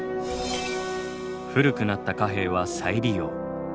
古くなった貨幣は再利用。